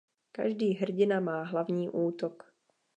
Každý hrdina má hlavní útok.